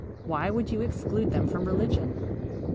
Why would you exclude them from religion?